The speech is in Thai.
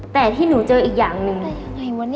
แต่ที่หนูเจออีกอย่างหนึ่ง